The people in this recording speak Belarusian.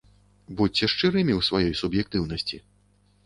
Будзьце шчырымі ў сваёй суб'ектыўнасці.